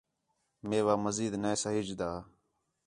میوا مزید نے ساہیجدا